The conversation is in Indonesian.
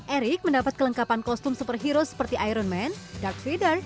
erick mendapat kelengkapan kostum superhero seperti iron man dark freeder